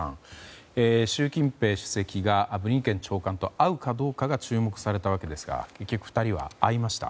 習近平主席がブリンケン長官と会うかどうかが注目されたわけですが結局２人は会いました。